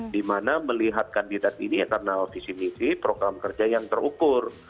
di mana melihat kandidat ini eternal visi visi program kerja yang terukur